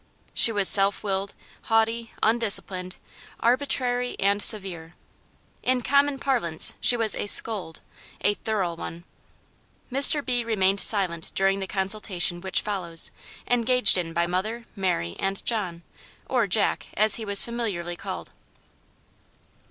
She was self willed, haughty, undisciplined, arbitrary and severe. In common parlance, she was a SCOLD, a thorough one. Mr. B. remained silent during the consultation which follows, engaged in by mother, Mary and John, or Jack, as he was familiarly called.